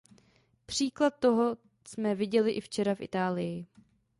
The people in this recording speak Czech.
Příklad toho jsme viděli i včera v Itálii.